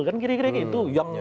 kan kira kira gitu